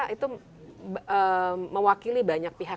itu mewakili banyak pihak